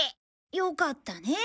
よかったね。